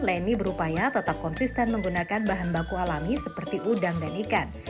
leni berupaya tetap konsisten menggunakan bahan baku alami seperti udang dan ikan